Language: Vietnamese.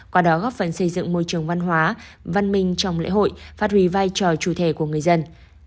qua đó góp phần xây dựng môi trường văn hóa văn minh trong lễ hội phát huy vai trò chủ thể của người dân